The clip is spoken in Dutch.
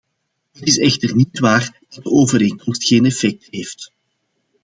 Het is echter niet waar dat de overeenkomst geen effect heeft.